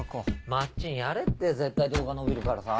まっちんやれって絶対動画伸びるからさ。